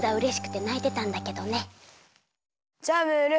じゃあムール！